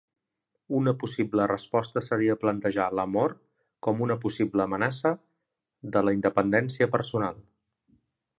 Una possible resposta seria plantejar l'amor com una possible amenaça de la independència personal.